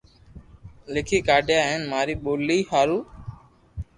لکي ڪاڌيا ھي ھين ماري ڀولي ھارو